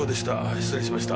失礼しました。